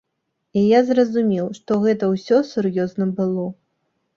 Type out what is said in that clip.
І я зразумеў, што гэта ўсё сур'ёзна было.